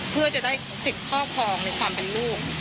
เพื่อจะได้สิทธิ์ครอบครองในความเป็นลูก